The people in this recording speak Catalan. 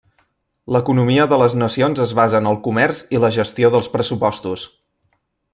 L'economia de les nacions es basa en el comerç i la gestió dels pressupostos.